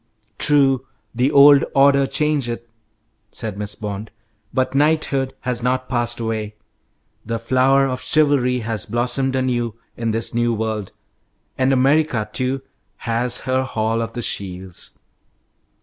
"True, 'the old order changeth,'" said Miss Bond, "but knighthood has not passed away. The flower of chivalry has blossomed anew in this new world, and America, too, has her Hall of the Shields."